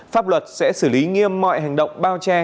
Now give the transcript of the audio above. pháp luật sẽ xử lý nghiêm mọi hành động bao che